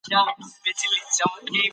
لمر د کائناتو په پرتله ډېر کوچنی دی.